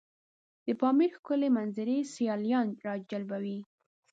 د پامیر ښکلي منظرې سیلانیان راجلبوي.